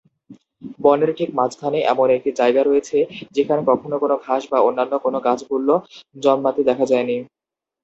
বনের ঠিক মাঝখানে এমন একটি জায়গা রয়েছে, যেখানে কখনো কোনো ঘাস বা অন্যান্য কোনো গাছ-গুল্ম জন্মাতে দেখা যায়নি।